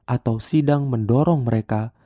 atau sidang mendorong mereka